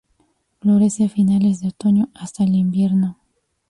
Florece a finales de otoño hasta el invierno.